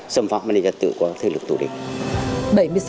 xâm phạm bản địa chất tự của thế lực tù định